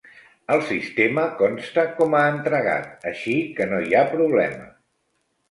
Al sistema consta com a entregat, així que no hi ha problema.